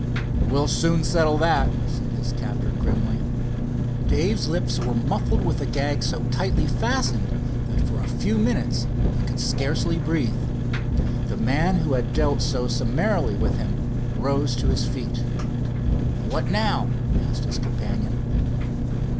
"We'll soon settle that," said his captor grimly. Dave's lips were muffled with a gag so tightly fastened that for a few minutes he could scarcely breathe. The man who had dealt so summarily with him arose to his feet. "What now?" asked his companion.